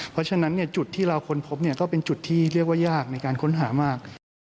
เพราะฉะนั้นจุดที่เราค้นพบก็เป็นจุดที่เรียกว่ายากในการค้นหามาก